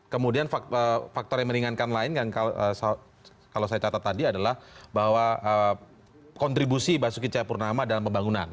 kemudian faktor yang meringankan lain yang kalau saya catat tadi adalah bahwa kontribusi basuki cahayapurnama dalam pembangunan